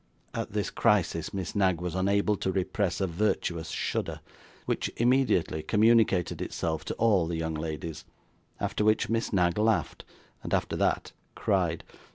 At this crisis, Miss Knag was unable to repress a virtuous shudder, which immediately communicated itself to all the young ladies; after which, Miss Knag laughed, and after that, cried.